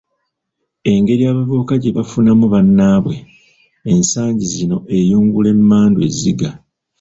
Engeri abavubuka gye bafunamu “bannaabwe” ensangi zino eyungula emmandwa ezziga.